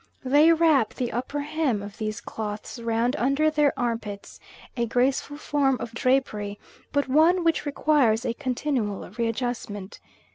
They wrap the upper hem of these cloths round under the armpits, a graceful form of drapery, but one which requires continual readjustment.